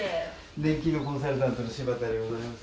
年金コンサルタントの柴田でございます。